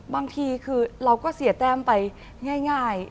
บางทีคือเราก็เสียแต้มไปง่าย